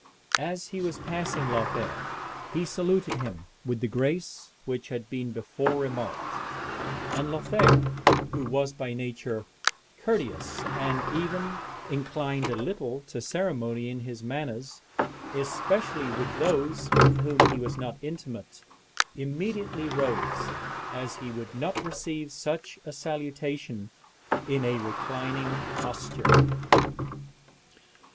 As he was passing Lothair, he saluted him with the grace which had been before remarked; and Lothair, who was by nature courteous, and even inclined a little to ceremony in his manners, especially with those with whom he was not intimate, immediately rose, as he would not receive such a salutation in a reclining posture.